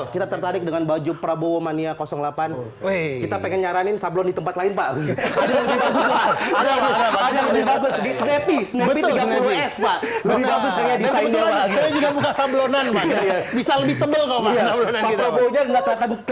kita tertarik dengan baju prabowo mania delapan kita pengen nyaranin sablon di tempat lain pak prabowo